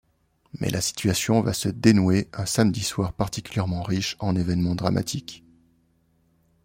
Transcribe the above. Mais la situation va se dénouer un samedi soir particulièrement riche en événements dramatiques.